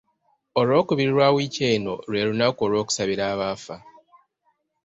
Olwokubiri lwa wiiki eno lwe lunaku olw’okusabira abaafa.